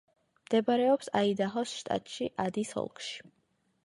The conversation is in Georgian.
მდებარეობს აიდაჰოს შტატში, ადის ოლქში.